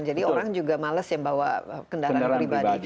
jadi orang juga males yang bawa kendaraan pribadi